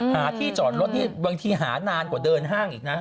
หาที่จอดรถนี่บางทีหานานกว่าเดินห้างอีกนะ